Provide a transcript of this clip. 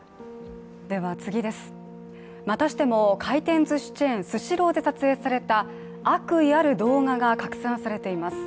またしても回転ずしチェーンスシローで撮影された悪意ある動画が拡散されています。